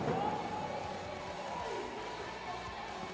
สวัสดีทุกคน